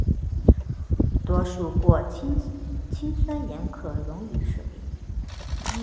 多数过氯酸盐可溶于水。